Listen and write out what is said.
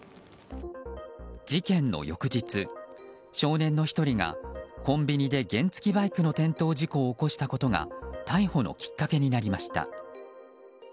事件の翌日、少年の１人がコンビニで原付きバイクの転倒事故を起こしたことが逮捕のきっかけになりました。